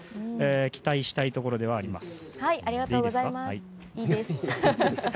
期待したいところではあります。